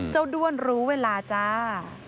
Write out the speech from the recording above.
เจ้าด้วนรู้เวลาจ้า